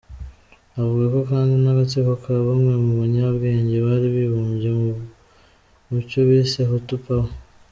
Avugamo kandi n’agatsiko ka bamwe mu banyabwenge bari bimbuye mucyo bise ‘Hutu Pawer’.